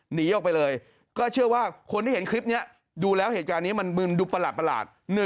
หนีออกไปเลยก็เชื่อว่าคนที่เห็นคลิปนี้ดูแล้วเหตุการณ์นี้มันมึนดูประหลาด